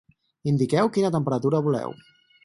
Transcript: Indiqueu quina temperatura voleu.